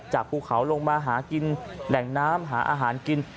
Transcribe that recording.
ภูเขาลงมาหากินแหล่งน้ำหาอาหารกิน